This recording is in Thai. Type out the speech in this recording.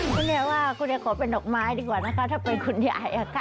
คุณยายว่าคุณยายขอเป็นดอกไม้ดีกว่านะคะถ้าเป็นคุณยายอะค่ะ